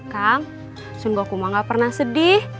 kang sunggoku mah gak pernah sedih